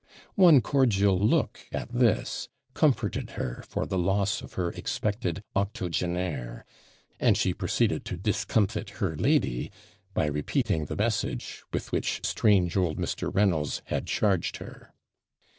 One cordial look at this comforted her for the loss of her expected OCTOGENAIRE; and she proceeded to discomfit her lady, by repeating the message with which strange old Mr. Reynolds had charged her.